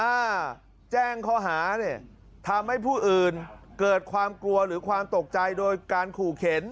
ถ้าแจ้งข้อหาเนี่ยทำให้ผู้อื่นเกิดความกลัวหรือความตกใจโดยการขู่เข็น